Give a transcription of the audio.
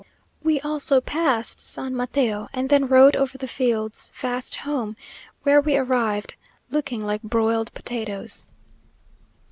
We also passed San Mateo, and then rode over the fields fast home, where we arrived, looking like broiled potatoes....